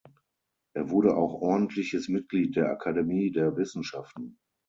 Er wurde auch ordentliches Mitglied der Akademie der Wissenschaften.